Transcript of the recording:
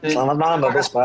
selamat malam bagus pak